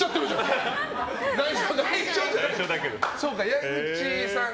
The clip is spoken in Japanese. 矢口さん